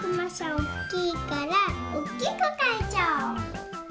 おっきいからおっきくかいちゃおう。